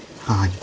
ああ。